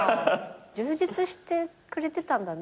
充実してくれてたんだね。